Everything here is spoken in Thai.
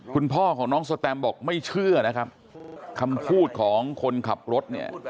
คุณพ่อของน้องสแตมบอกไม่เชื่อนะครับคำพูดของคนขับรถเนี่ย